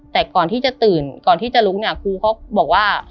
แต่ก่อนที่จะตื่นก่อนที่จะลุกเนี่ยครูเขาบอกว่า